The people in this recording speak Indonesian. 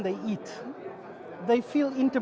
mereka merasa intim